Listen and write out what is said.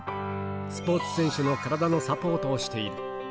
スポーツ選手の体のサポートをしている。